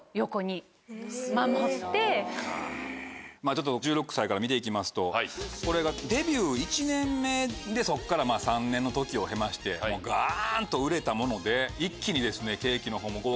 ちょっと１６歳から見て行きますとこれがデビュー１年目でそこから３年の時を経ましてガンと売れたもので一気にケーキのほうも豪華。